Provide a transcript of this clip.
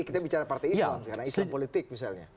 kita bicara partai islam karena islam politik misalnya